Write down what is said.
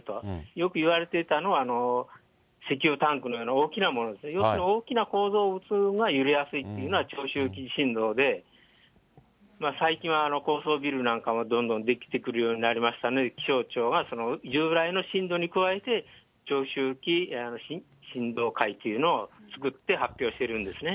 よくいわれていたのは、石油タンクのような大きなもの、要するに大きな構造物が揺れやすいというのが長周期地震動で、最近は高層ビルなんかもどんどん出来てくるようになりましたので、気象庁は従来の震度に加えて、長周期震動階級というのを作って発表しているんですね。